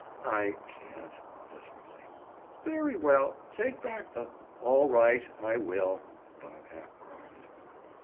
"I—can't." Desperately. "Very well. Take back the—" "All right. I will," Bob half groaned.